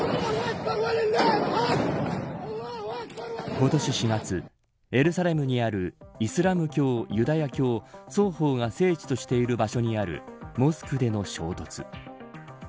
今年４月、エルサレムにあるイスラム教、ユダヤ教、双方が聖地としている場所にあるモスクでの衝突。